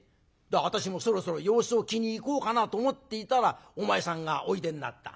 私もそろそろ様子を聞きに行こうかなと思っていたらお前さんがおいでになった。